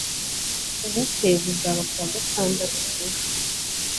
Ubukwe buzaba ku wa gatandatu Dejo